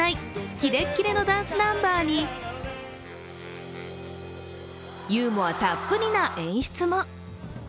キレッキレのダンスナンバーにユーモアたっぷりな演出も。